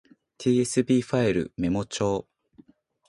tsv ファイルメモ帳